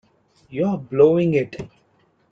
You're blowing it!